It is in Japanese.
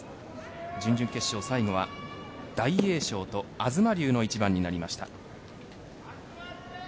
準々決勝、最後は大栄翔と東龍の一番になりました。